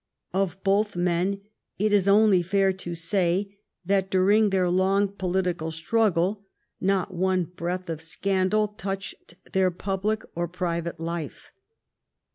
Of both men it is only fair to say that during their long political struggle not one breath of scandal touched their public or private life.